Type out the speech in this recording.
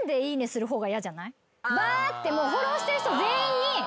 バーってもうフォローしている人全員に。